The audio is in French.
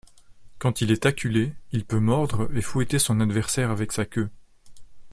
Quand il est acculé, il peut mordre et fouetter son adversaire avec sa queue.